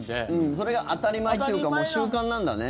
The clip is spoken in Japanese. それが当たり前っていうかもう習慣なんだね。